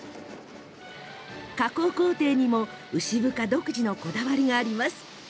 加工工程にも牛深独自のこだわりがあります。